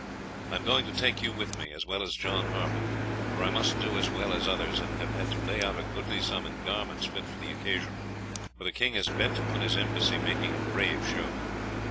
I am going to take you with me, as well as John Harpen, for I must do as well as others, and have had to lay out a goodly sum in garments fit for the occasion, for the king is bent upon his embassy making a brave show.